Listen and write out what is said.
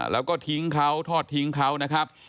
แล้วก็ทิ้งเขาทอดทิ้งเขานะครับ